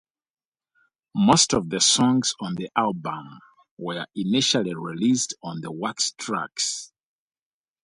Most of the songs on the album were initially released on the Wax Trax!